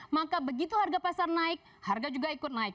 maka begitu harga pasar naik harga juga ikut naik